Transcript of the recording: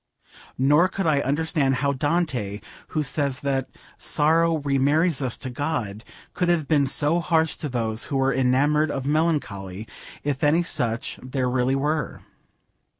Nor could I understand how Dante, who says that 'sorrow remarries us to God,' could have been so harsh to those who were enamoured of melancholy, if any such there really were.